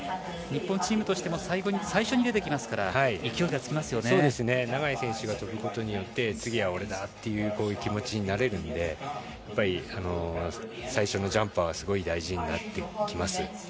日本チームとしても最初に出てきますから永井選手が飛ぶことによって次は俺だっていう気持ちになれるので最初のジャンパーはすごい大事になってきますね。